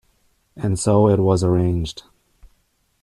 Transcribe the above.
And so it was arranged.